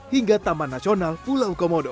hingga taman nasional pulau komodo